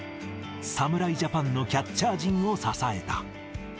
侍ジャパンのキャッチャー陣を支えた。